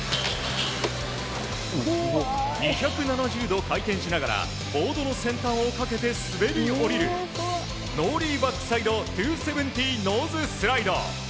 ２７０度回転しながらボードの先端をかけて滑り降りるノーリーバックサイド２７０ノーズスライド。